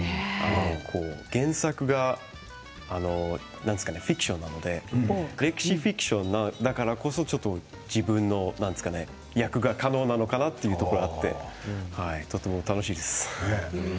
原作がフィクションなので歴史フィクションだからこそ自分の役が可能なのかなというところがあってとても楽しいです。